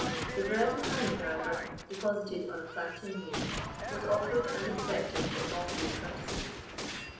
The bread and honey, however, deposited on a plantain leaf, was offered and accepted in all due courtesy.